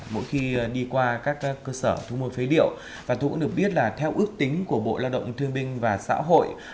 mỗi khi đi qua các cơ sở thu mua phế liệu và tôi cũng được biết là theo ước tính của bộ lao động thương binh và xã hội